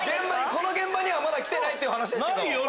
この現場にはまだ来てないって話ですけど？